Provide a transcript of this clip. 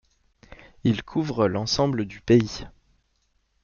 Ils couvrent l'ensemble du pays.